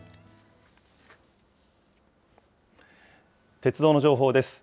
鉄道の情報です。